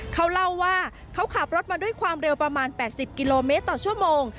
เขาเล่าว่าเขาขับรถมาด้วยความเร็วประมาณ๘๐กิโลเมตรต่อชั่วโมง